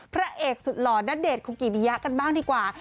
พระเอกสุดหล่อนนเดตกรุงกีวียะกันบ้างดีกว่า